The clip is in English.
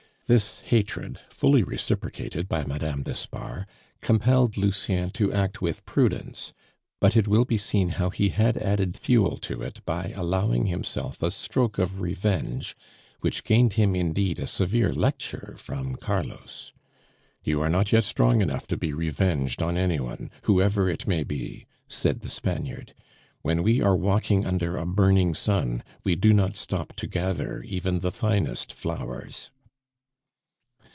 This hatred, fully reciprocated by Madame d'Espard, compelled Lucien to act with prudence; but it will be seen how he had added fuel to it by allowing himself a stroke of revenge, which gained him indeed a severe lecture from Carlos. "You are not yet strong enough to be revenged on any one, whoever it may be," said the Spaniard. "When we are walking under a burning sun we do not stop to gather even the finest flowers."